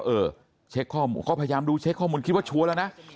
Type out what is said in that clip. เออเช็คข้อมูลก็พยายามดูเช็คข้อมูลคิดว่าชัวร์แล้วนะ